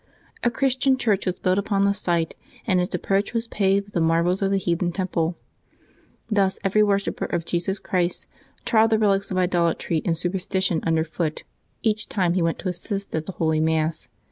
A Christian church was built upon the site, and its approach was paved with the marbles of the heathen temple. Thus every worshipper of Jesus Christ trod the relics of idolatry and superstition underfoot each time he went to assist at the holy Mass.